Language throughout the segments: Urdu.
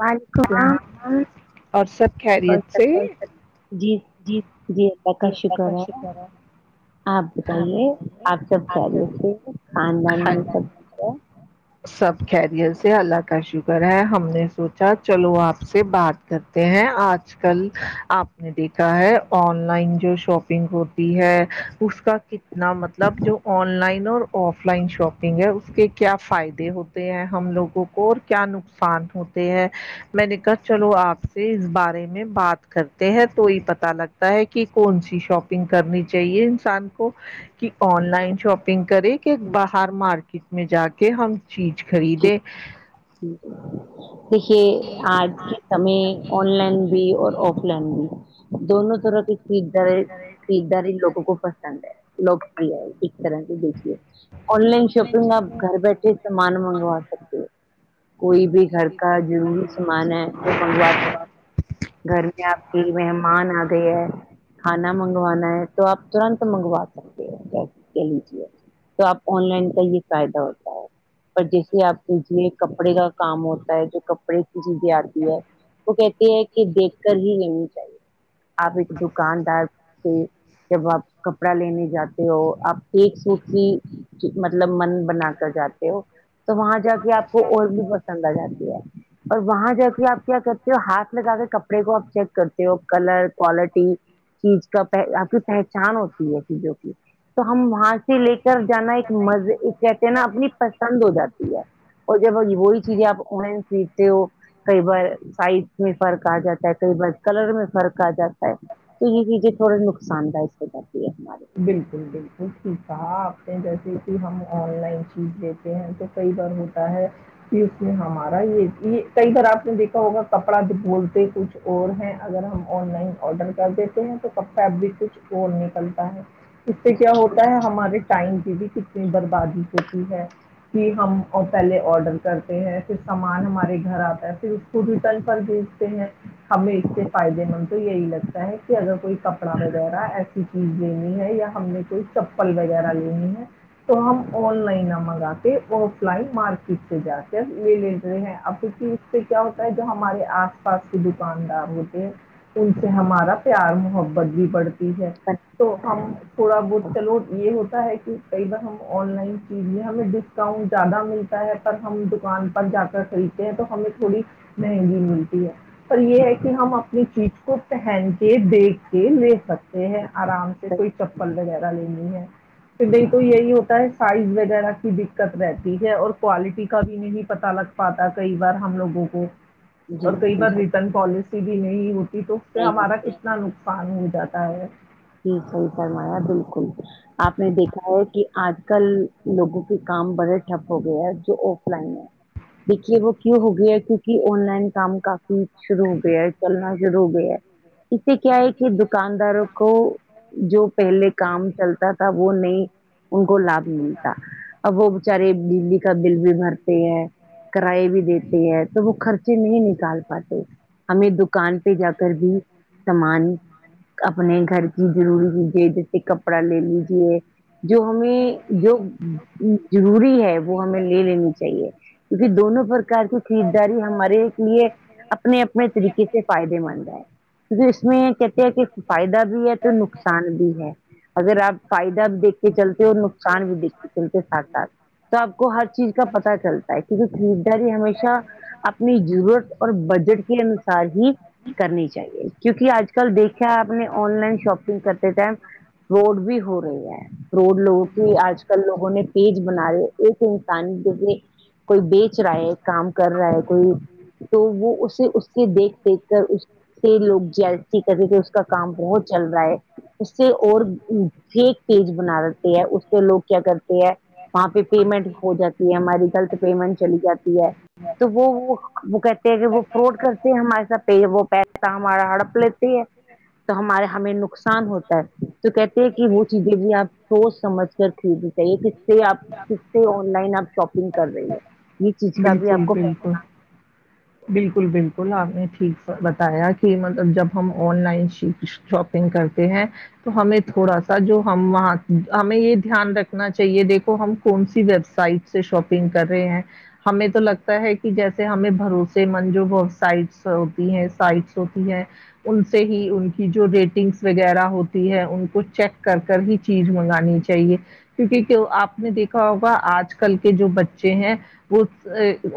وعلیکم السلام سلام اور سب اور خیریت سب سے جی جی اللہ کا شکر ہے آپ بتائیے آپ سب خیریت سے ہیں خاندان ہاں میں سب کیسے ہے سب خیریت سے اللہ کا شکر ہے ہم نے سوچا چلو آپ سے بات کرتے ہیں آج کل آپ نے دیکھا ہے آن لائن جو شاپنگ ہوتی ہے اس کا کتنا مطلب جو آن لائن اور آف لائن شاپنگ ہے اس کے کیا فائدے ہوتے ہیں ہم لوگوں کو اور کیا نقصان ہوتے ہیں میں نے کہا چلو آپ سے اس بارے میں بات کرتے ہیں تو یہ پتا لگتا ہے کہ کون سی شاپنگ کرنی چاہیے انسان کو کہ آن لائن شاپنگ کرے کہ باہر مارکیٹ میں جا کے ہم چیز خریدے دیکھیے آج کے سمے آن لائن بھی اور آف لائن بھی دونوں طرح کی خریداری خریداری لوگوں کو پسند ہے لوگ ہے ایک طرح سے دیکھیے آن لائن شاپنگ آپ گھر بیٹھے سامان منگا منگا سکتے ہو کوئی بھی گھر کا ضروری سامان ہے وہ منگوا سکتے گھر میں آپ کی مہمان آ گئے ہے کھانا منگوانا ہے تو آپ ترنت منگوا سکتے ہو کہ لیجیے تو آپ آن لائن کا ہی فائدہ ہوتا ہے پر جس آپے کپڑے کا کام ہوتا ہے جو کپڑے کی چیزیں آتی ہے وہ کہتے ہے کہ دیکھ کر ہی لینی چاہیے آپ ایک دکاندار سے جب آپ کپڑا لینے جاتے ہو آپ ایک سوٹ بھی مطلب من بنا کر جاتے ہو تو وہاں جا کے آپ کو اور بھی پسند آ جاتی ہے اور وہاں جا کے آپ کیا کرتے ہو ہاتھ لگا کے کپڑے کو آپ چیک کرتے ہو کلر کوالٹی چیز کا آپ کی پہچان ہوتی ہے چیزوں کی تو ہم وہاں سے لے کر جانا ایک مزے کہتے ہیں نا اپنی پسند ہو جاتی اور جب وہی چیزیں آپ آنائن خریدتے ہو کئی بار سائز میں فرق آ جاتا ہے کئی بار کلر میں فرق آ جاتا ہے تو یہ لیجیںے چیزیں تھوڑے نقصان دائک تو ہوجاتی ہے ہمارے بالکل بالکل ٹھیک کہا آپ نے جیسے کہ ہم آن لائن چیز ہیں تو کئی بار ہوتا ہے کہ اس میں ہمارا یہ یہ کئی بار آپ نے دیکھا ہوگا کپڑا جو بولتے کچھ اور ہیں اگر ہم آن لائن آڈر کر دیتے ہیں تو کپڑا بھی کچھ اور نکلتا ہے اس سے کیا ہوتا ہے ہمارے ٹائم کی بھی کتنی بربادی ہوتی ہے کہ ہم پہلے آڈر کرتے ہیں پھر سامان ہمارے گھر آتا ہے پھر اس کو رٹل پر دبیجھتے ہیں ہمیں اس سے فائدے مند تو یہی لگتا ہے کہ اگر کوئی کپڑا وغیرہ ایسی چیز لینی ہے یا ہم نے کوئی چپل وغیرہ لینی ہے تو ہم آن لائن نہ منگاتے آف لائن مارکیٹ سے جا کر لے لے لیتے ہیں اب اس سے کیا ہوتا ہے جو ہمارے آس پاس کے دکاندار ہوتے ہیں ان سے ہمارا پیار محبت بھی بڑھتا ہے پر- تو ہم تھوڑا بہت چلو یہ ہوتا ہے کہ کئی بار ہم آن لائن چیزیں ہمیں ڈسکاؤنٹ زیادہ ملتا ہے پر ہم دکان پر جا کر خریدیں یتو ہمیں تھوڑی مہنگی ملتی ہے اور یہ ہے کہ ہم اپنی چیز کو پہن کے دیکھ کے لے سکتے ہے آرام سے کوئی چپل وغیرہ لینی ہے پھر تو یہی ہوتا ہے سائز وغیرہ کی دککت رہتی ہے اور کوالٹی کا بھی نہیں پتہ لگ پاتا تھا کئی بار ہم لوگوں کو جی اور کئی بار بالکل ریٹرن پالیسی بھی نہیں ہوتی تو پھر نہیں ہمارا ہوتی، کتنا نقصان ہو جاتا ہے جی صحیح فرمایا بالکل آپ نے دیکھا ہے کہ آج کل لوگوں کے کام بڑے ٹھپ ہو گئے ہے جو آف لائن ہے دیکھیے وہ کیوں ہو گیا ہے کیونکہ آن لائن کام کافی شروع ہو گیا ہے چلنا شروع ہو گیا ہے اس سے کیا ہے کہ دکانداروں کو جو پہلے کام چلتا تھا وہ نہیں ان کو لابھ نہیں ملتا اب وہ بچارے بجلی کا بل بھی بھرتے ہیں کرائے بھی دیتے ہیں تو وہ خرچے نہیں نکال پاتے ہمیں دکان پہ جا کر بھی سامان گھر کی ضروری چیزیں جیسے کپڑا لے لیجے جو ہمیں جو ضروری ہے وہ ہمیں لے لینی چاہیے بھی دونوں پرکار کی خریدداری ہمارے لیے اپنے اپنے طریقے سے فائدے مند ہے کیونکہ اس میں کہتے ہیں کہ فائدہ بھی ہے تو نقصان بھی ہے اگر آپ فائدہ بھی دیکھ کے چلتے اور نقصان بھی دیکھ کے چلتے ساتھ ساتھ تو آپ کو ہر چیز کا پتہ چلتا ہے کیونکہ خریداری ہمیشہ اپنی ضرورت اور بجٹ کے انوسار ہی کرنی چاہیے کیونکہ آج کل دیکھ کیا آپ نے آن لائن شاپنگ کرتے ٹائم فروڈ بھی ہو رہی ہے فروڈ لوگوں کی آج کل لوگوں نے پیج بنائے ایک کوئی بیچ رہا ہے کام کر رہا ہے کوئی تو وہ اسے اس کے دیکھ دیکھ کر اس سے لوگ [unintelligible] کا کام بہت چل رہا ہے اس سے اور فیک پیج بنا دیتے ہے اس پہ لوگ کیا کرتے ہیں وہاں پہ پیمنٹ ہو جاتی ہے ہماری غلط پیمنٹ چلی جاتی ہے تو وہ وہ کہتے ہیں کہ وہ فراڈ کرتے ہیں ہمارے ساتھ وہ پیسہ ہمارا ہڑپ لیتے ہے ج تو ہمارے ہمیں نقصان ہوتا ہے تو کہتے ہیں کہ وہ چیزیں بھی آپ سوچ سمجھ کر خریدنی چاہے سے آپ کس سے آن لائن آپ شاپنگ کر رہی ہو یہ چیز کا بھی آپ بالکل، کو بالکل، بالکل بالکل آپ نے ٹھیک بتایا کہ مطلب جب ہم آن لائن شاپ ینگ کرتے ہیں تو ہمیں تھوڑا سا جو ہم وہاں ہمیں یہ دھیان رکھنا چاہیے دیکھو ہم کون سی ویب سائٹ سے شاپنگ کر رہے ہیں ہمیں تو لگتا ہے کہ جیسے ہمیں بھروسے مند جووبسائٹس ہوتی ہیں سائٹس ہوتی ہیں ان سے ہی ان کی جو ریٹنگس وغیرہ ہوتی ہے ان کو چیک کر کر ہی چیز منگانی چاہیے کیونکہ آپ نے دیکھا ہوگا آج کل کے جو بچے ہیں وہ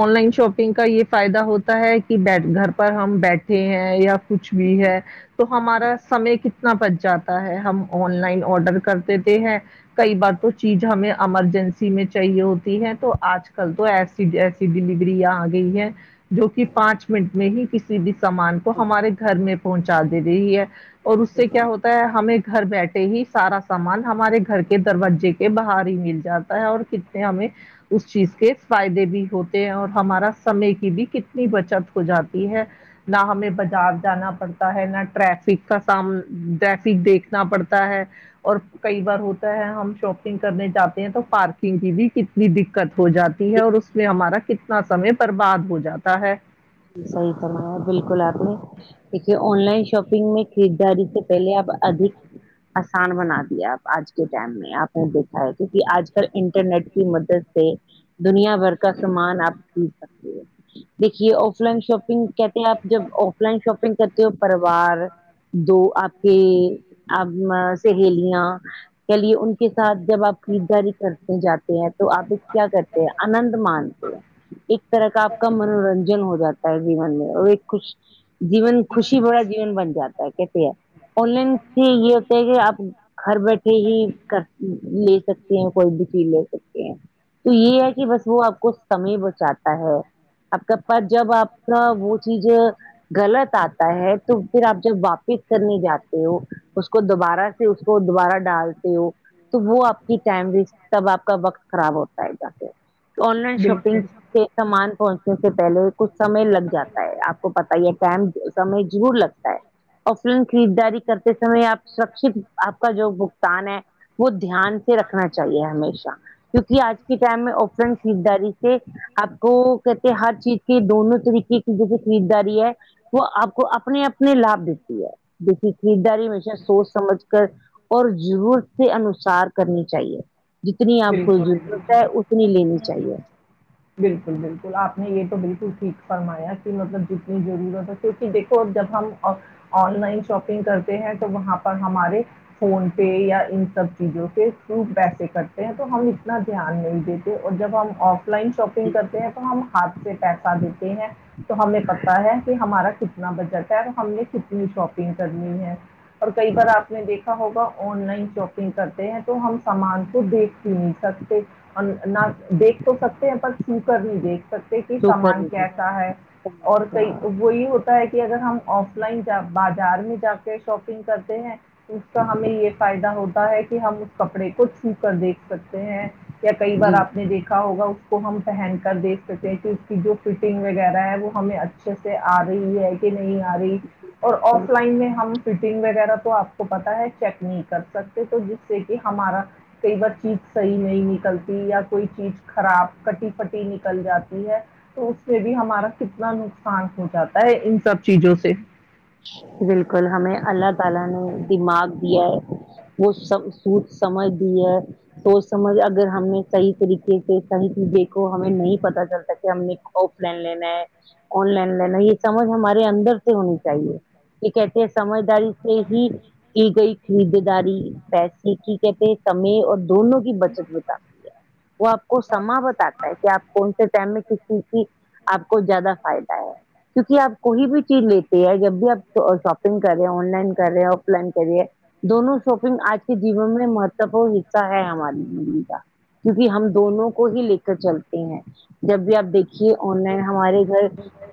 آن لائن شاپنگ کا یہ فائدہ ہوتا ہے کہ گھر پر ہم بیٹھے ہیں یا کچھ بھی ہے تو ہمارا سمے کتنا بچ جاتا ہے ہم آن لائن آڈر کر دیتے ہیں کئی بار تو چیز ہمیں ایمرجنسی میں چاہیے ہوتی ہے تو آج کل تو ایسا ایسی ڈلیوریاں آ گئی ہے جو کہ پانچ منٹ میں ہی کسی بھی سامان کو ہمارے گھر میں پہنچا دے رہی ہے اور اس سے کیا ہوتا ہے ہمیں گھر بیٹھے ہی سارا سامان ہمارے گھر کے دروازے کے باہر ہی مل جاتا ہے اور ہمیں اس چیز کے فائدے بھی ہوتے ہیں اور ہمارا سمے بی بی کتنی بچت ہو جاتی ہے نہ ہمیں بازار جانا پڑتا ہے نہ ٹریفک کا سام ٹریفک دیکھنا پڑتا ہے اور کئی بار ہوتا ہے ہم شاپنگ کرنے جاتے ہیں تو پارکنگ کی بھی ک نی دقت ہو جاتی ہے اور اس میں ہمارا کتنا سمے برباد ہو جاتا ہے صحیح فرمایا بالکل اپ نے دیکھیے آن لائن شاپنگ میں خریداری سے پہلے آپ ادھک آسان بنا دیا آپ آج کے ٹائم میں آپ نے دیکھا ہے کیونکہ آج کل انٹرنیٹ کی مدد سے دنیا بھر کا سامان آپ خرید سکتے ہیں دیکھیے آف لائن شاپنگ کہتے ہیں آپ جب آف لائن شاپنگ کرتے ہو پرریوار دو آپ کے آپ سہیلیاں کہ لیے ان کے ساتھ جب آپ خریدداری کرتے جاتے ہیں تو آپ ایک کیا کرتے ہیں آنند مانتے ہیں ایک طرح کا آپ کا منورنجن ہو جاتا ہے جیون میں اور ایک کچھ جیون خوشی بھرا جیون بن جاتا ہے کیس ہے آن لائن سے یہ ہوتا ہے کہ آپ گھر بیٹھے ہی کر لے سکتے ہیں کوئی بھی چیز لے سکتے ہیں تو یہ ہے کہ بس وہ آپ کو سمے بچاتا ہے آپ کا پا جب آپ کا وہ چیز غلط آتا ہے تو پھر آپ جب واپ پک کرنے جاتے ہو اس کو دوبارہ سے اس کو دوبارہ ڈالتے ہو تو وہ آپ کی ٹائم وی تب آپ کا وقت خراب ہوتا ہے جاے آن لائن شاپنگ بالکل سے سامان پہنچنے سے پہلے کچھ سمے لگ جاتا ہے آپ کو پت ہی م سمے ضرور لگتا ہے اور فلم خریدداری کرتے سمئے آپ سرکشت آپ کا جو ب ان ہے وہ دھیان سے رکھنا چاہیے ہمیشہ کیونکہ آج کے ٹائم میں اپرنٹ خریداری سے آپ کو کہتے ہر چیز کی دونوں طریقے جے سے خریداری ہے وہ آپ کو اپنے اپنے لابھ دیتی ہے دیکھیے خریداری میں سے سوچ سمجھ کر اور ضرورت کے انوسار کرنی چاہیے جتنی آپ کو بالکل ضرورت ہے اتنی لینی بالکل چاہیے بالکل بالکل آپ نے یہ تو بالکل ٹھیک فرمایا کہ مطلب جتنی ضرورت ہے کیونکہ دیکھو جب ہم آن لائن شاپنگ کرتے ہیں تو وہاں پر ہمارے فون پے یا ان سب چیزوں سے خوب پیسے کرتے ہیں تو ہم اتنا دھیان نہیں دیتے اور جب ہم آف لائن شاپنگ کرتے ہیں تو ہم ہاتھ سے پیسہ دیتے ہیں تو ہمیں پتا ہے کہ ہمارا کتنا بجٹ ہے اور ہم نے کتنی شاپنگ کرنی ہے اور کئی بار آپ نے دیکھا ہوگا آن لائن شاپنگ کرتے ہیں تو ہم سامان کو دیک کی نہیں سکتے ہم نہ دیکھ تو سکتے ہیں پر چو کر نہیں دیکھ سکتے کہ تو سامان کرنی کیسا ہے اور کئی وہی ہوتا ہے کہ اگر ہم آف لائنا بازار میں جا کے شاپنگ کرتے ہیں اس کا ہمیں یہ فائدہ ہوتا ہے کہ ہم اس کپڑے کو چھو کر دیکھ سکتے یا کئی بار آپ نے دیکھا ہوگا کو ہم پہن کر دیکھ سکتے ہیں کہ اس کی جو فٹنگ وغیرہ ہے وہ ہمیں اچھے سے آ رہی ہے نہیں آ رہی اور جی آف لائن میں ہم فٹنگ وغیرہ تو آپ کو پتا ہے چیک نہیں کر سکتے تو جس سے کہ ہمارا فی چیز صحیح نہیں نکلتی یا کوئی چیز خراب کٹی پٹی نکل جاتی ہے تو اس سے بھی ہمارا کتنا نقصان ہو جاتا ہے ان سب چیزوں سے بالکل ہمیں اللہ تعالی نے دماغ دیا ہے وہ سب سوچ سمجھ دی ہے تو سمجھ اگر ہم نے صحیح طریقے سے صحیح چیز دیکھو ہمیں نہیں پتا چلتا کہ ہم نے آف لائن لینا ہے آن لائن لینا ہے یہ سمج ہمارے اندر سے ہونی چاہیے یہ کہتے ہیں سمجھداری سے ہی کی گئی خریدداری پیسے کی کہتے سمے اور دونوں کی بچت بتاتی ہے وہ آپ کو سما بتاتتا ہے کہ آپ کون سے ٹائم میں کس چیز کی آپ کو زیادہ فائدہ ہے کیونکہ آپ کوئی بھی چیز لیتے ہیں جب آپ شاپنگ کر رہے ہیں آن لائن کر رہے ہیں آف لائن کریے دونوں شاپنگ آج کے جیون میں مہتوپورن حصہ ہے ہماری زندگی کا کیونکہ ہم دونوں کو ہی لے کر چلتے ہیں جب بھی آپ دیکھ کہ آن لائن ہمارے گھر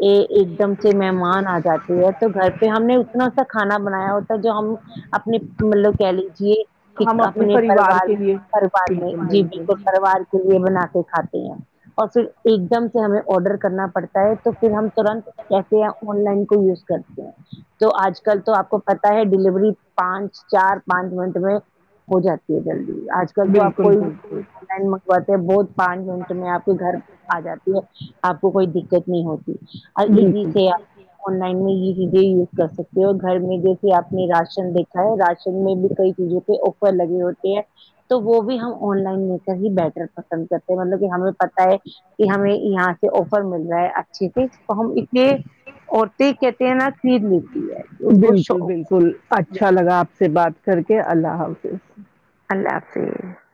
ایک دم سے مہمان آ جاتے تو گھر پہ ہم نے اتنا سا کھانا بنایا ہوتا جو ہم اپنے مطلب کہہ لیجیے ہم ایک اپنے پریوار پروار کے میں لیے پرار میں جی بالکل پروار یہ بنا کے کھاتے ہیں اور پھر ایک دم سے ہمیں آڈر کرنا پڑتا ہے تو پھر ہم ترنت کیس آن لائن کو یوز کرتے ہیں تو آج کل تو آپ کو پتا ہے ڈیلیوری پانچ چار پانچ منٹ میں ہو جاتی ہے جلدی آج کل تو آپ بالکل کوئی بھی پروار چیز آن لائن منگواتے ہیں بہت پانچ منٹ میں آپ گھر آ جاتی ہے آپ کو کوئی دقت نہیں ہوتی اور میں، ایزی بالکل جی سے کرنا آپ آن پڑتا ہے، میں یہ چیزیں یوز کر سکتے ہو اور گھر میں جیسے آپ نے راشن دیکھا ہے راشن میں بھی کئی چیزوں کےہ اوکر لگے ہوتے ہیں تو وہ بھی ہم آن لائن لے کر ہی بیٹر پسند کرتے ہیں مطلب کہ ہمیں پتہ ہے کہ ہمیں یہاں سے آفر مل رہا ہے اچھے سے تو ہم اتنے ہے ان کو بالکل شوق بالکل اچھا اچھا لگا آپ سے بات کر کے اللہ حافظ اللہ حافظ